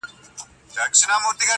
هغه خو ټوله ژوند تاته درکړی وو په مينه.